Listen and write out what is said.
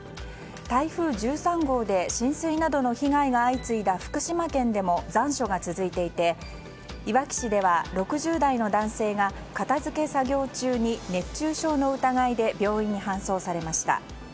台風１３号で浸水などの被害が相次いだ福島県でも残暑が続いていていわき市では６０代の男性が片付け作業中に熱中症の疑いで病院に搬送されました。